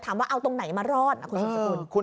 ถามว่าเอาตรงไหนมารอดนะคุณผู้ชมคุณ